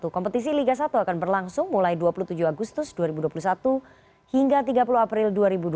kompetisi liga satu akan berlangsung mulai dua puluh tujuh agustus dua ribu dua puluh satu hingga tiga puluh april dua ribu dua puluh tiga